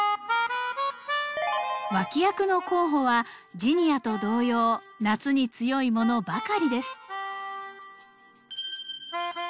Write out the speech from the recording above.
脇役の候補はジニアと同様夏に強いものばかりです。